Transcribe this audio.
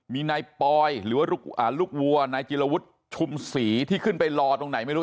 มีนายปอยหรือว่าลูกวัวนายจิลวุฒิชุมศรีที่ขึ้นไปรอตรงไหนไม่รู้